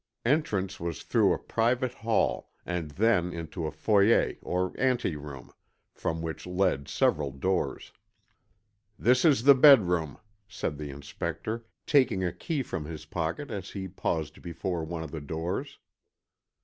Entrance was through a private hall, and then into a foyer or ante room, from which led several doors. "This is the bedroom," said the Inspector, taking a key from his pocket as he paused before one of the doors.